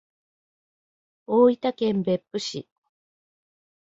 大分県別府市